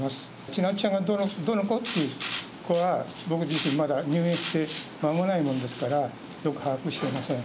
ちなつちゃんがどの子っていうのは、僕自身、まだ入園して間もないもんですから、よく把握してません。